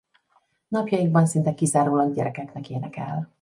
Napjainkban szinte kizárólag gyerekeknek énekel.